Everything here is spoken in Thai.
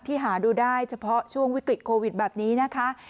หาดูได้เฉพาะช่วงวิกฤตโควิดแบบนี้นะคะ